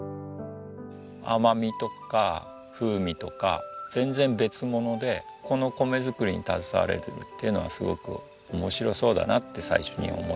甘みとか風味とか全然別物でこの米作りに携われているっていうのはすごく面白そうだなって最初に思った。